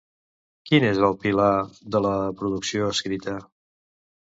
Quin és el pilar de la producció escrita?